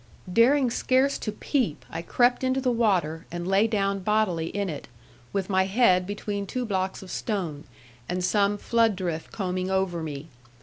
Daring scarce to peep, I crept into the water, and lay down bodily in it, with my head between two blocks of stone, and some flood drift combing over me.